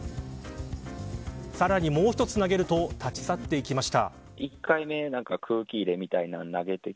さらにもう一つ投げると立ち去っていきました。